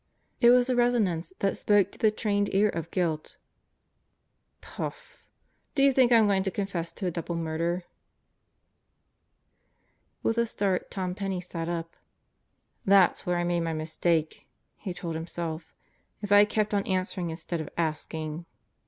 It was a resonance that spoke of guilt to the trained ear: Do you think I'm going to coqfess to a double murder?" With a start Tom Penney sat up. "There's where I made my mistake," he told himself. "If I had kept on answering instead of asking.